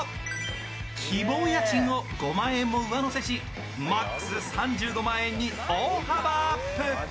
希望家賃も５万円の上乗せしマックス３５万円に大幅アップ。